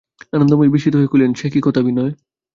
আনন্দময়ী বিস্মিত হইয়া কহিলেন, সেকি কথা বিনয়?